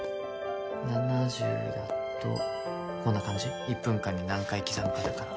７０だと１分間に何回刻むかだから。